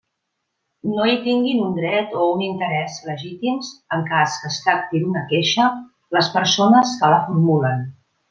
No hi tinguin un dret o un interès legítims, en cas que es tracti d'una queixa, les persones que la formulen.